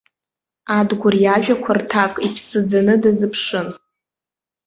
Адгәыр иажәақәа рҭак иԥсы ӡаны дазыԥшын.